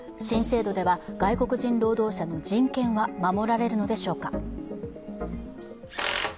外国人労働者の人権は守られるのでしょうか。